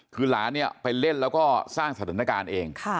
คือหลานเนี่ยไปเล่นแล้วก็สร้างสถานการณ์เอง